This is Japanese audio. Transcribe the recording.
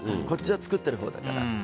こっちは作ってるほうだから。